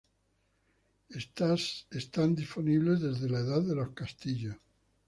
Estas están disponibles desde la Edad de los Castillos.